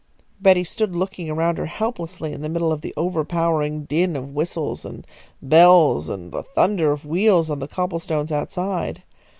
Betty stood looking around her helplessly in the middle of the overpowering din of whistles and bells and the thunder of wheels on the cobblestones outside.